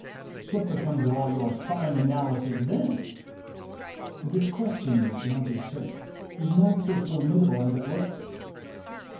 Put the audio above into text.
What becomes of all your fine analysis then?" This question, my dear sir, is not so formidable as it looks.